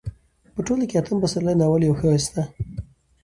په ټوله کې اتم پسرلی ناول يو ښايسته